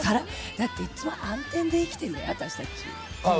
だって、いつも暗転で生きているんだよ、私たち。